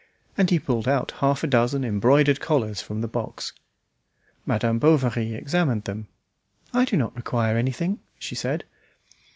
And he pulled out half a dozen embroidered collars from the box. Madame Bovary examined them. "I do not require anything," she said.